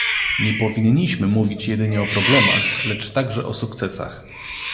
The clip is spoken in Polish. Nie powinniśmy mówić jedynie o problemach, lecz także o sukcesach